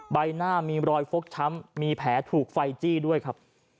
ใบหน้ามีรอยฟกช้ำมีแผลถูกไฟจี้ด้วยครับ